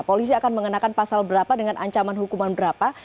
polisi akan mengenakan pasal berapa dengan ancaman hukuman berapa